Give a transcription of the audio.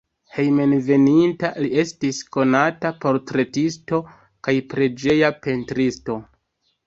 Hejmenveninta li estis konata portretisto kaj preĝeja pentristo.